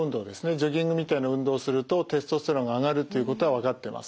ジョギングみたいな運動をするとテストステロンが上がるということは分かってます。